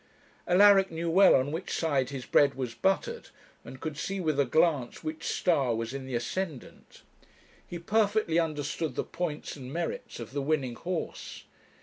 Alaric knew well on which side his bread was buttered, and could see with a glance which star was in the ascendant; he perfectly understood the points and merits of the winning horse.